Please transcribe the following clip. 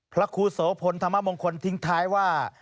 พระครูโสพลธรรมมงคลทิ้งท้ายว่า